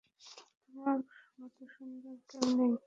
তোমার মত সুন্দর কেউ নেই।